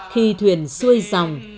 khi thuyền xuôi dòng